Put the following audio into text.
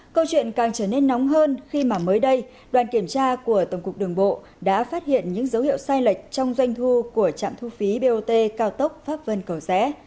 câu chuyện càng trở nên nóng hơn khi mà mới đây đoàn kiểm tra của tổng cục đường bộ đã phát hiện những dấu hiệu sai lệch trong doanh thu của trạm thu phí bot cao tốc pháp vân cầu rẽ